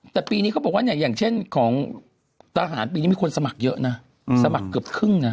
แต่ปีนี้เขาบอกว่าเนี่ยอย่างเช่นของทหารปีนี้มีคนสมัครเยอะนะสมัครเกือบครึ่งนะ